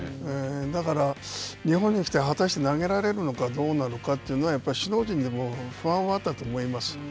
だから、日本に来て、果たして投げられるのか、どうなのかというのは、首脳陣でも不安はあったと思います。